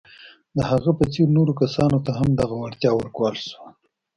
د هغه په څېر نورو کسانو ته هم دغه وړتیا ورکول شوه.